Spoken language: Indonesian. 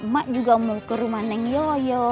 mak juga mau ke rumah neng yoyo